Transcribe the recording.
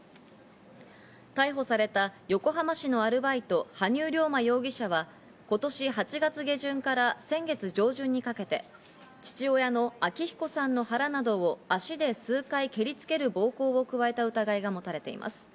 逮捕された横浜市のアルバイト、羽生竜馬容疑者は、今年８月下旬から先月上旬にかけて父親の昭彦さんの腹などを足で数回蹴り付ける暴行を加えた疑いが持たれています。